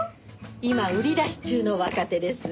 今売り出し中の若手です。